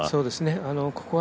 ここは。